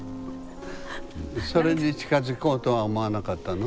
それに近づこうとは思わなかったの？